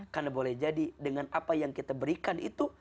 karena boleh jadi dengan apa yang kita berikan itu